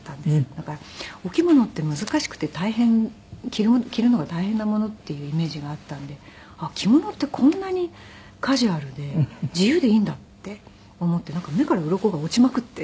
だからお着物って難しくて着るのが大変なものっていうイメージがあったんで着物ってこんなにカジュアルで自由でいいんだって思って目からウロコが落ちまくって。